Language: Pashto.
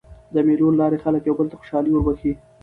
د مېلو له لاري خلک یو بل ته خوشحالي وربخښي.